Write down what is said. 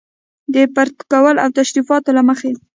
د پروتوکول او تشریفاتو له مخې.